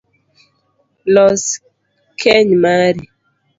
Los keny mari